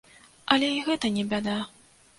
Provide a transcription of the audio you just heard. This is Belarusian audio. Але і гэта не бяда.